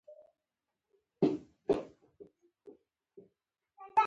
تياره وه، هېڅ هم نه ښکارېدل، د مرغانو د وزرونو شڼهاری مې واورېد